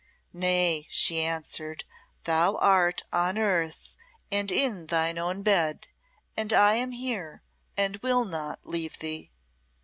"Nay," she answered; "thou art on earth, and in thine own bed, and I am here, and will not leave thee."